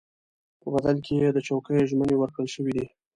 په بدل کې یې د چوکیو ژمنې ورکړل شوې دي.